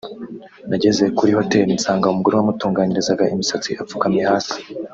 “Nageze kuri Hoteli nsanga umugore wamutunganyirizaga imisatsi apfukamye hasi